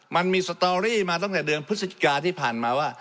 มันมีสตอรี่มาตั้งแต่เดือนพฤศจิกาที่ผ่านมาว่า